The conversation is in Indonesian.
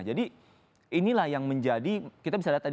jadi inilah yang menjadi kita bisa lihat tadi